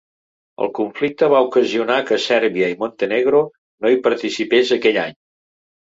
El conflicte va ocasionar que Sèrbia i Montenegro no hi participés aquell any.